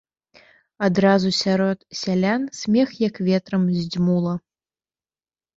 Адразу сярод сялян смех як ветрам здзьмула.